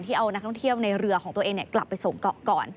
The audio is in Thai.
ที่เอานักท่องเที่ยวในเรือของตัวเองเนี่ยกลับไปส่งก่อน